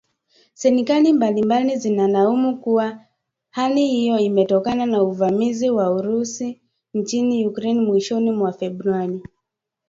Serikali mbalimbali zinalaumu kuwa hali hiyo imetokana na uvamizi wa Urusi nchini Ukraine mwishoni mwa Februari.